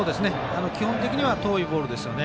基本的には遠いボールですよね。